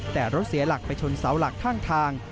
แต่รถเสียหลักไปชนเสาหลักข้างทาง